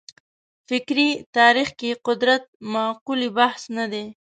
فکري تاریخ کې قدرت مقولې بحث نه دی.